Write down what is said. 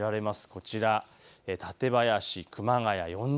こちら、館林、熊谷、４０度。